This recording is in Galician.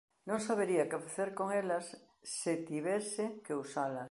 Non sabería que facer con elas se tivese que usalas.